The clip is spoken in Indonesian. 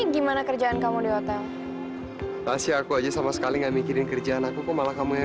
gimana kerjaan kamu di hotel rahasia aku aja sama sekali nggak mikirin kerjaan akuku malah kamu yang